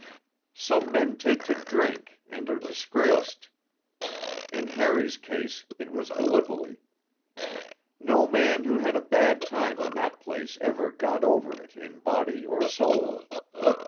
Some men take to drink and are disgraced. In Harry's case it was Gallipoli. No man who had a bad time in that place ever 'got over' it in body or soul.